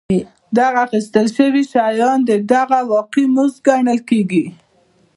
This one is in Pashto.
دغه اخیستل شوي شیان د هغوی واقعي مزد ګڼل کېږي